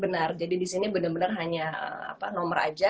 benar jadi disini benar benar hanya nomor aja